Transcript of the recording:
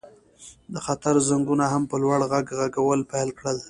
د خطر زنګونو هم په لوړ غږ غږول پیل کړل